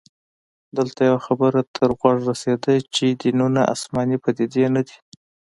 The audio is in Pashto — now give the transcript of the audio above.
دلته يوه خبره تر غوږه رسیده چې دینونه اسماني پديدې نه دي